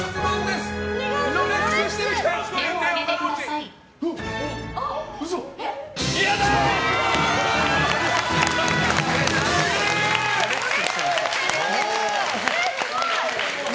すごい！